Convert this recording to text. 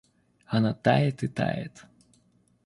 Она тает и тает.